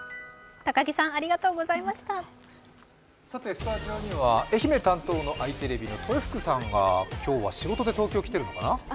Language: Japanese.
スタジオには愛媛担当のあいテレビの豊福さんが今日は仕事で東京に来てるのかな？